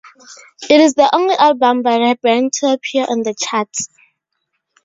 It is the only album by the band to appear on the charts.